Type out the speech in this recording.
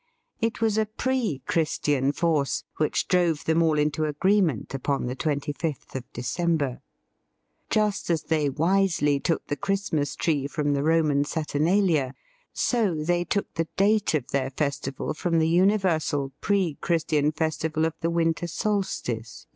It was a pre Christian force which drove them all into agreement upon the twenty fifth of December. Just as they wisely took the Christmas tree from the Roman Saturnalia, so they took the date of their festival from the universal pre Christian festival of the winter solstice.